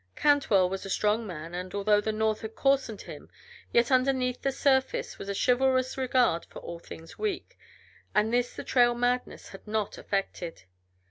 Cantwell was a strong man, and, although the North had coarsened him, yet underneath the surface was a chivalrous regard for all things weak, and this the trail madness had not affected.